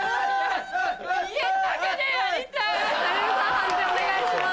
判定お願いします。